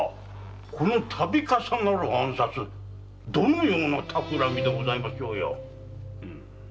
この度重なる暗殺どのような企みでございましょうや。